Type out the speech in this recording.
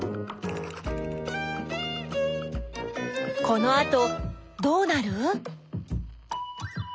このあとどうなる？